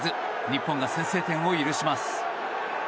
日本が先制点を許します。